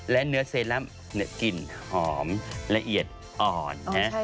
และเนื้อเซรั่มเนื้อกลิ่นหอมละเอียดอ่อน